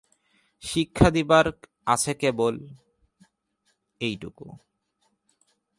শিক্ষা দিবার আছে কেবল এইটুকু।